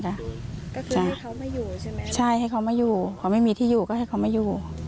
ก็คือให้เขามาอยู่ใช่ไหมใช่ให้เขามาอยู่เขาไม่มีที่อยู่ก็ให้เขามาอยู่